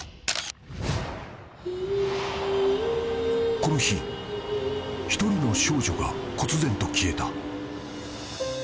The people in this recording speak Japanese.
［この日１人の少女がこつぜんと消えた］